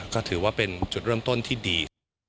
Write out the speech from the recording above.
ก็ถือว่าเป็นจุดเริ่มต้นที่ดี